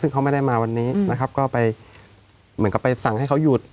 ซึ่งเขาไม่ได้มาวันนี้นะครับก็ไปเหมือนกับไปสั่งให้เขาหยุด